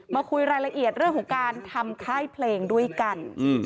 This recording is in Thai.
มาคุยรายละเอียดเรื่องของการทำค่ายเพลงด้วยกัน